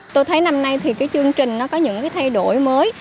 tôi thấy năm nay thì cái chương trình nó có những cái thay đổi mới